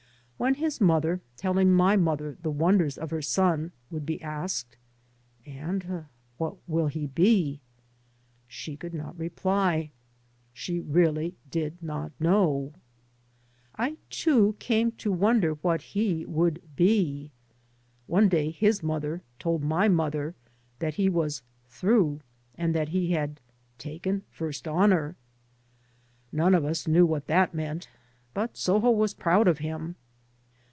When his mother, telling my mother the wonders of her son, would be asked, " And what will he be? " she could not reply. She really did not know. I too came to wonder what he would *' be." One day his mother told my mother that be was " through,'* and that he had taken " first honour." None of us knew what that meant, but Soho was proud of him.